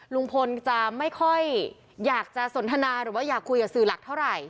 ลุงพลจะไม่ค่อยอยากจะสนทนาหรือว่าอยากคุยกับสื่อหลักเท่าไหร่